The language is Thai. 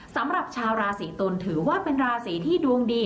สำหรับชาวราศีตุลถือว่าเป็นราศีที่ดวงดี